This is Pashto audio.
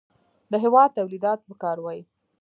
د هېواد تولیدات وکاروئ.